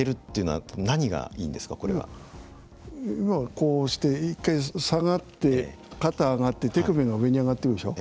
こうして一回下がって肩上がって手首が上に上がってくるでしょ。